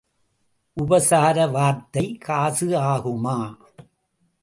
உபசார வார்த்தை காசு ஆகுமா?